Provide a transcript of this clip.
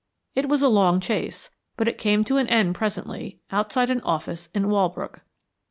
It was a long chase, but it came to an end presently outside an office in Walbrook.